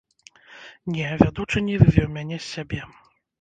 Не, вядучы не вывеў мяне з сябе.